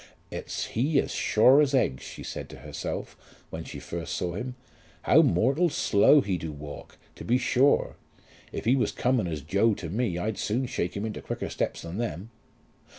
"It's he as sure as eggs," she had said to herself when she first saw him; "how mortal slow he do walk, to be sure! If he was coming as joe to me I'd soon shake him into quicker steps than them."